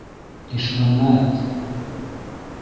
Ишмәмәт!